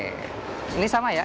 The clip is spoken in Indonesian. ini sama ya